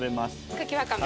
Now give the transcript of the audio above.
茎わかめ。